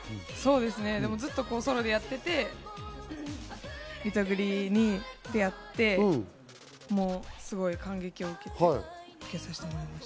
ずっとソロでやっていて、リトグリに出会って、すごい感激を受けて、受けさせてもらいました。